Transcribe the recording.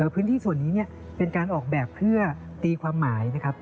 พื้นที่ส่วนนี้เป็นการออกแบบเพื่อตีความหมายนะครับ